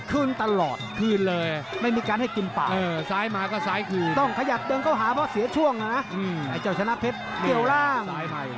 คืนตลอดไม่มีการให้กินป่าต้องขยับเดินเข้าหาเพราะเสียช่วงนะไอ้เจ้าชนะเพชรเกี่ยวร่าง